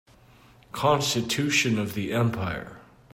Constitution of the empire